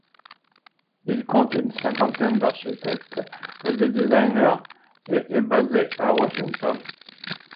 Il compte une cinquantaine d'architectes et de designers et est basé à Washington.